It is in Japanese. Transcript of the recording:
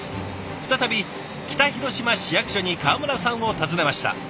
再び北広島市役所に川村さんを訪ねました。